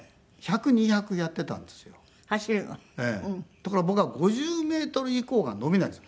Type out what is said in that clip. ところが僕は５０メートル以降が伸びないんです。